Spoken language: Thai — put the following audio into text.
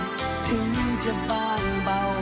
เป็นควันไปถึงยังจะบางเบา